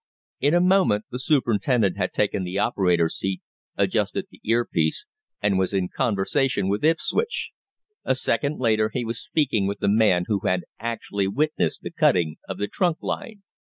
In a moment the superintendent had taken the operator's seat, adjusted the ear piece, and was in conversation with Ipswich. A second later he was speaking with the man who had actually witnessed the cutting of the trunk line.